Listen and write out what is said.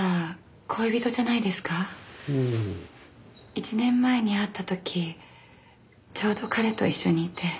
１年前に会った時ちょうど彼と一緒にいて。